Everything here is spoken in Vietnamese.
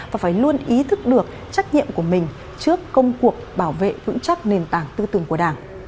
và phải luôn ý thức được trách nhiệm của mình trước công cuộc bảo vệ vững chắc nền tảng tư tưởng của đảng